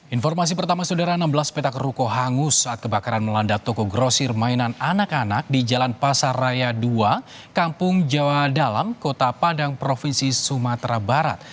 informasi pertama saudara enam belas petak ruko hangus saat kebakaran melanda toko grosir mainan anak anak di jalan pasar raya ii kampung jawa dalam kota padang provinsi sumatera barat